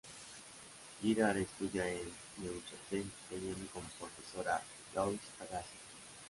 Girard estudia en Neuchâtel, teniendo como profesor a Louis Agassiz.